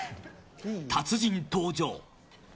達人登場。